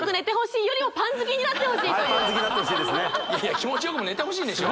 いやいや気持ちよくも寝てほしいんでしょ